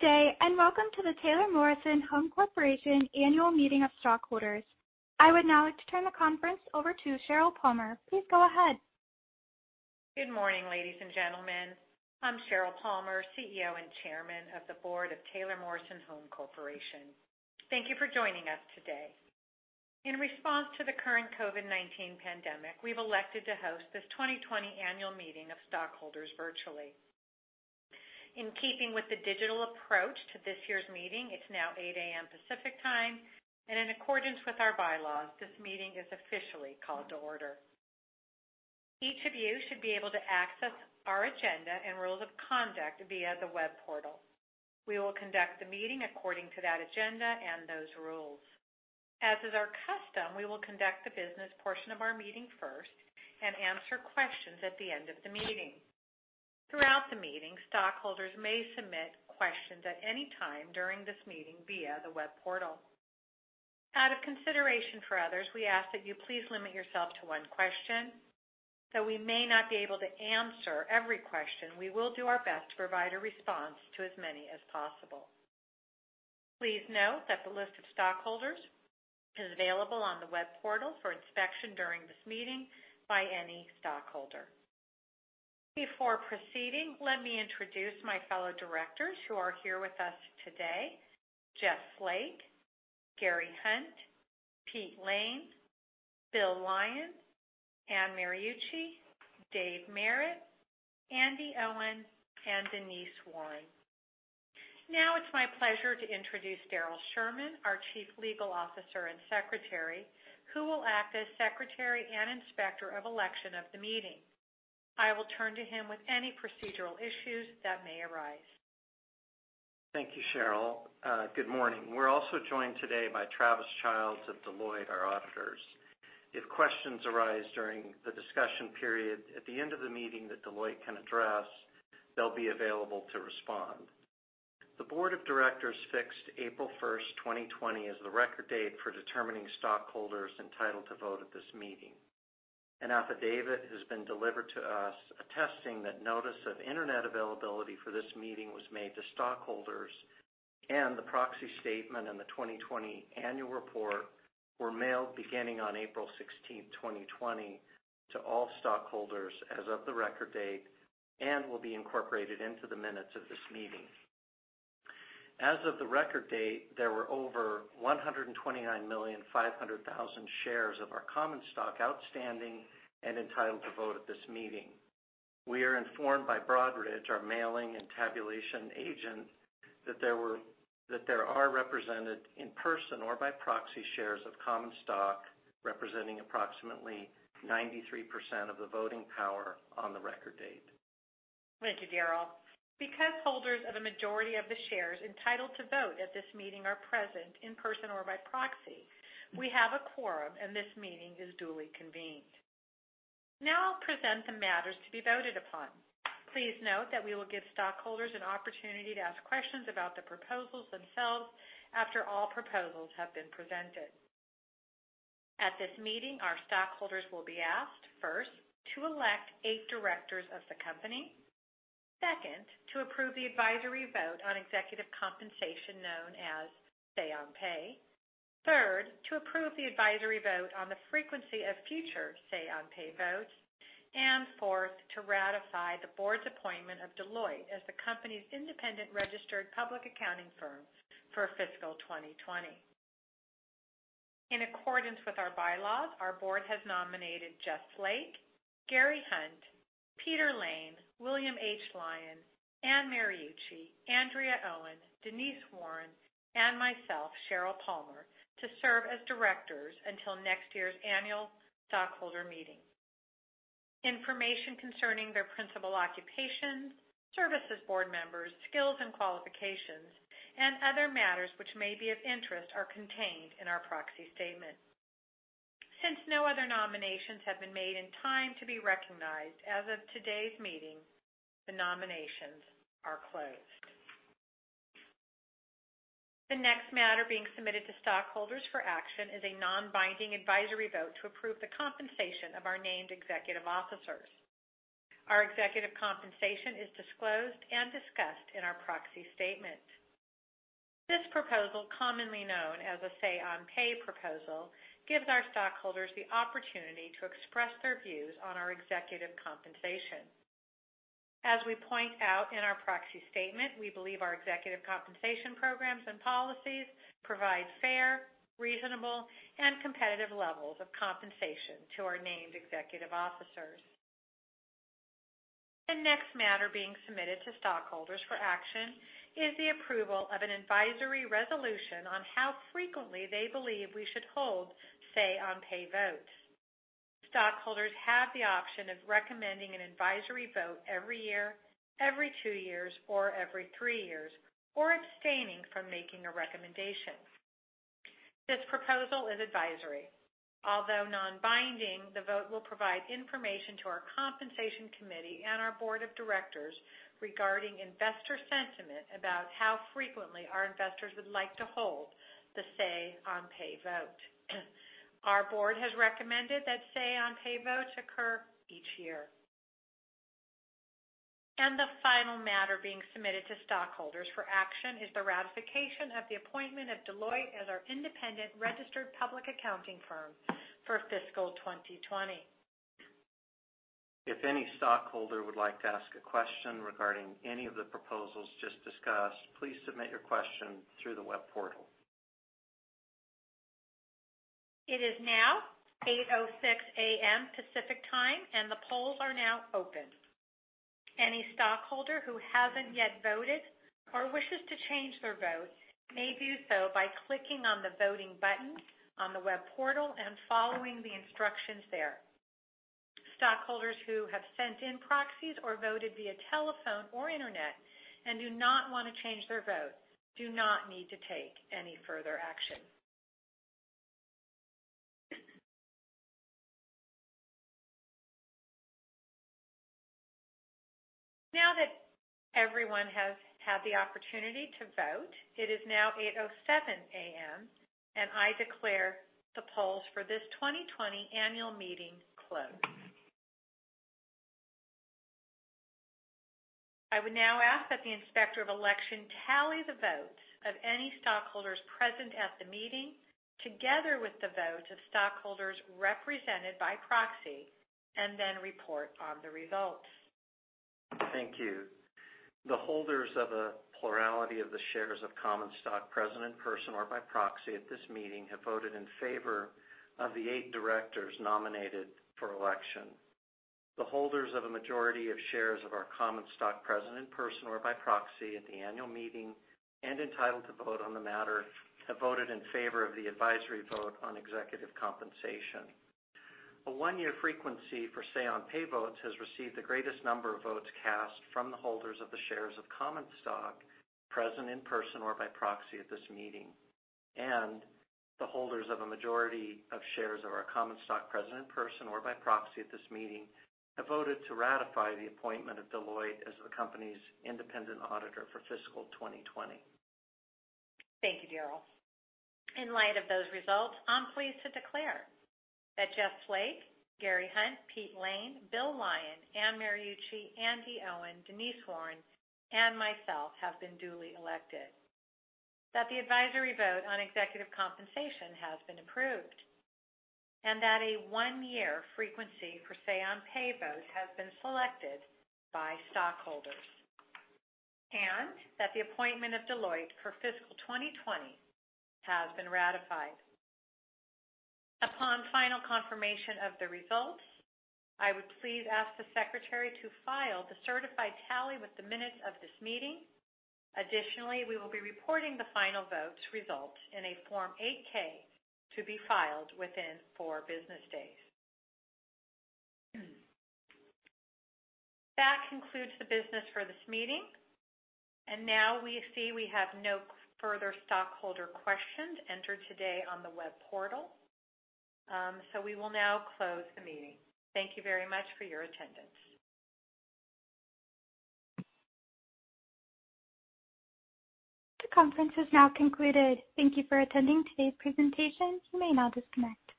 Good day, and welcome to the Taylor Morrison Home Corporation Annual Meeting of Stockholders. I would now like to turn the conference over to Sheryl Palmer. Please go ahead. Good morning, ladies and gentlemen. I'm Sheryl Palmer, CEO and Chairman of the Board of Taylor Morrison Home Corporation. Thank you for joining us today. In response to the current COVID-19 pandemic, we've elected to host this 2020 Annual Meeting of Stockholders virtually. In keeping with the digital approach to this year's meeting, it's now 8:00 A.M. Pacific Time, and in accordance with our bylaws, this meeting is officially called to order. Each of you should be able to access our agenda and rules of conduct via the web portal. We will conduct the meeting according to that agenda and those rules. As is our custom, we will conduct the business portion of our meeting first and answer questions at the end of the meeting. Throughout the meeting, stockholders may submit questions at any time during this meeting via the web portal. Out of consideration for others, we ask that you please limit yourself to one question. Though we may not be able to answer every question, we will do our best to provide a response to as many as possible. Please note that the list of stockholders is available on the web portal for inspection during this meeting by any stockholder. Before proceeding, let me introduce my fellow directors who are here with us today: Jeff Flake, Gary Hunt, Pete Lane, Bill Lyon, Anne Mariucci, Dave Merritt, Andi Owen, and Denise Warren. Now, it's my pleasure to introduce Darrell Sherman, our Chief Legal Officer and Secretary, who will act as Secretary and Inspector of Election of the meeting. I will turn to him with any procedural issues that may arise. Thank you, Sheryl. Good morning. We're also joined today by Travis Childs of Deloitte, our auditors. If questions arise during the discussion period at the end of the meeting that Deloitte can address, they'll be available to respond. The Board of Directors fixed April 1st, 2020, as the record date for determining stockholders entitled to vote at this meeting. An affidavit has been delivered to us attesting that notice of internet availability for this meeting was made to stockholders, and the proxy statement and the 2020 Annual Report were mailed beginning on April 16th, 2020, to all stockholders as of the record date and will be incorporated into the minutes of this meeting. As of the record date, there were over 129,500,000 shares of our common stock outstanding and entitled to vote at this meeting. We are informed by Broadridge, our mailing and tabulation agent, that there are represented in person or by proxy shares of common stock representing approximately 93% of the voting power on the record date. Thank you, Darrell. Because holders of a majority of the shares entitled to vote at this meeting are present in person or by proxy, we have a quorum, and this meeting is duly convened. Now, I'll present the matters to be voted upon. Please note that we will give stockholders an opportunity to ask questions about the proposals themselves after all proposals have been presented. At this meeting, our stockholders will be asked, first, to elect eight directors of the company. Second, to approve the advisory vote on executive compensation known as say-on-pay. Third, to approve the advisory vote on the frequency of future say-on-pay votes. And fourth, to ratify the Board's appointment of Deloitte as the company's independent registered public accounting firm for fiscal 2020. In accordance with our bylaws, our Board has nominated Jeff Flake, Gary Hunt, Peter Lane, William H. Lyon, Anne Mariucci, Andrea Owen, Denise Warren, and myself, Sheryl Palmer, to serve as directors until next year's Annual Stockholder Meeting. Information concerning their principal occupations, service as board members, skills and qualifications, and other matters which may be of interest are contained in our proxy statement. Since no other nominations have been made in time to be recognized as of today's meeting, the nominations are closed. The next matter being submitted to stockholders for action is a non-binding advisory vote to approve the compensation of our named executive officers. Our executive compensation is disclosed and discussed in our proxy statement. This proposal, commonly known as a say-on-pay proposal, gives our stockholders the opportunity to express their views on our executive compensation. As we point out in our proxy statement, we believe our executive compensation programs and policies provide fair, reasonable, and competitive levels of compensation to our named executive officers. The next matter being submitted to stockholders for action is the approval of an advisory resolution on how frequently they believe we should hold say-on-pay votes. Stockholders have the option of recommending an advisory vote every year, every two years, or every three years, or abstaining from making a recommendation. This proposal is advisory. Although non-binding, the vote will provide information to our compensation committee and our Board of Directors regarding investor sentiment about how frequently our investors would like to hold the say-on-pay vote. Our Board has recommended that say-on-pay votes occur each year, and the final matter being submitted to stockholders for action is the ratification of the appointment of Deloitte as our independent registered public accounting firm for fiscal 2020. If any stockholder would like to ask a question regarding any of the proposals just discussed, please submit your question through the web portal. It is now 8:06 A.M. Pacific Time, and the polls are now open. Any stockholder who hasn't yet voted or wishes to change their vote may do so by clicking on the voting button on the web portal and following the instructions there. Stockholders who have sent in proxies or voted via telephone or internet and do not want to change their vote do not need to take any further action. Now that everyone has had the opportunity to vote, it is now 8:07 A.M., and I declare the polls for this 2020 Annual Meeting closed. I would now ask that the Inspector of Election tally the votes of any stockholders present at the meeting together with the votes of stockholders represented by proxy, and then report on the results. Thank you. The holders of a plurality of the shares of common stock present in person or by proxy at this meeting have voted in favor of the eight directors nominated for election. The holders of a majority of shares of our common stock present in person or by proxy at the Annual Meeting and entitled to vote on the matter have voted in favor of the advisory vote on executive compensation. A one-year frequency for say-on-pay votes has received the greatest number of votes cast from the holders of the shares of common stock present in person or by proxy at this meeting. The holders of a majority of shares of our common stock present in person or by proxy at this meeting have voted to ratify the appointment of Deloitte as the company's independent auditor for fiscal 2020. Thank you, Darrell. In light of those results, I'm pleased to declare that Jeff Flake, Gary Hunt, Pete Lane, Bill Lyon, Anne Mariucci, Andi Owen, Denise Warren, and myself have been duly elected, that the advisory vote on executive compensation has been approved, and that a one-year frequency for say-on-pay votes has been selected by stockholders, and that the appointment of Deloitte for fiscal 2020 has been ratified. Upon final confirmation of the results, I would please ask the Secretary to file the certified tally with the minutes of this meeting. Additionally, we will be reporting the final vote's results in a Form 8-K to be filed within four business days. That concludes the business for this meeting, and now we see we have no further stockholder questions entered today on the web portal, so we will now close the meeting. Thank you very much for your attendance. The conference is now concluded. Thank you for attending today's presentation. You may now disconnect.